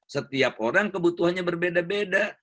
setiap orang kebutuhannya berbeda beda